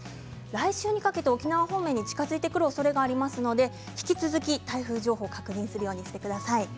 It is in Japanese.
来週にかけて沖縄方面に近づいてくるおそれがありますので、引き続き台風情報を確認するようにしてください。